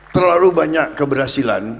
terlalu banyak keberhasilan